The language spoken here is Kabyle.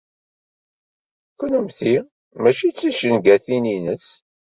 Kennemti mačči d ticengatin-ines.